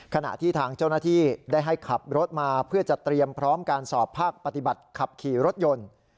ขณะที่ทางเจ้าหน้าที่ได้ให้ขับรถมาเพื่อจะเตรียมพร้อมการสอบภาคปฏิบัติขับขี่รถยนต์